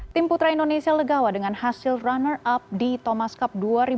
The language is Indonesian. tim putra indonesia legawa dengan hasil runner up di thomas cup dua ribu dua puluh